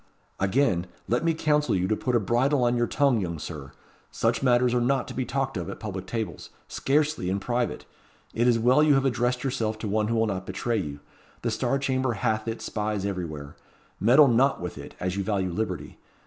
"Again, let me counsel you to put a bridle on your tongue, young Sir. Such matters are not to be talked of at public tables scarcely in private. It is well you have addressed yourself to one who will not betray you. The Star Chamber hath its spies everywhere. Meddle not with it, as you value liberty.